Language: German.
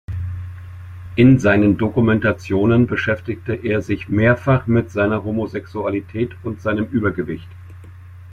In seinen Dokumentationen beschäftigte er sich mehrfach mit seiner Homosexualität und seinem Übergewicht.